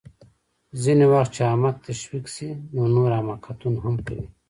ځینې وخت چې احمق تشویق شي نو نور حماقتونه هم کوي